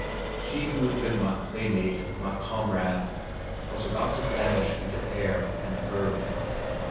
She who had been my playmate, my comrade, was about to vanish into air and earth!